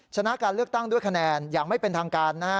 ชนะการเลือกตั้งด้วยคะแนนอย่างไม่เป็นทางการนะฮะ